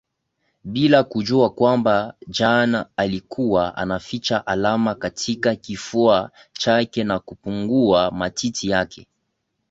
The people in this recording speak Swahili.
bila kujua kwamba Jane alikuwa anaficha alama katika kifua chake na kupungua matiti yake